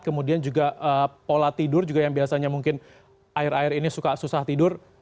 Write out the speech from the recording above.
kemudian juga pola tidur juga yang biasanya mungkin air air ini susah tidur